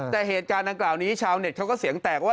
แต่เหตุการณ์ดังกล่าวนี้ชาวเน็ตเขาก็เสียงแตกว่า